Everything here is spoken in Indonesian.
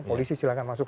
polisi silahkan masuk